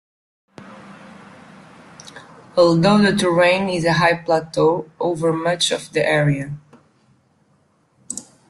Although the terrain is a high plateau over much of the area.